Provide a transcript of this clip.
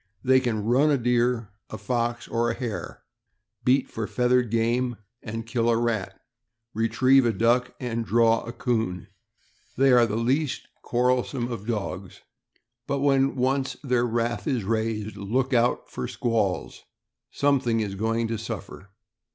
They can "run" a deer, a fox, or a hare ; beat for feathered game, and kill a rat, retrieve a duck, and "draw" a 'coon. They are the least quarrel 460 THE AMERICAN BOOK OF THE DOG. some of dogs; but when once their wrath is raised, "look out for squalls " —something is going to suffer.